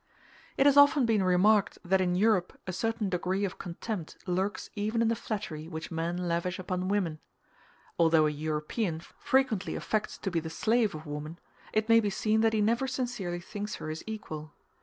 It has often been remarked that in Europe a certain degree of contempt lurks even in the flattery which men lavish upon women: although a European frequently affects to be the slave of woman, it may be seen that he never sincerely thinks her his equal.